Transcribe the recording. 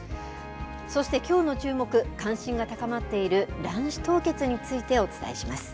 そしてきょうの注目、関心が高まっている卵子凍結についてお伝えします。